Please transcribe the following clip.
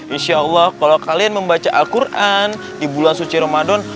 insya allah kalau kalian membaca al quran di bulan suci ramadan